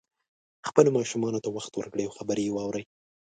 خپلو ماشومانو ته وخت ورکړئ او خبرې یې واورئ